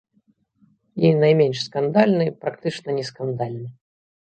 І найменш скандальны, практычна не скандальны.